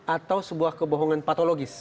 atau sebuah kebohongan patologis